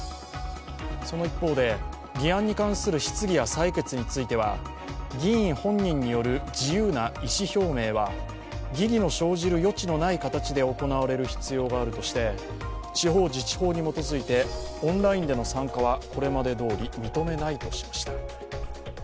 その一方で、議案に関する質疑や採決については議員本人による自由な意思表明は疑義の生じる余地のない形で行われる必要があるとして地方自治法に基づいてオンラインでの参加はこれまでどおり認めないとしました。